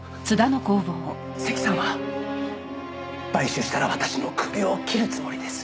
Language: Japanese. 関さんは買収したら私の首を切るつもりです。